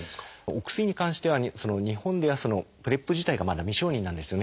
お薬に関しては日本ではＰｒＥＰ自体がまだ未承認なんですよね。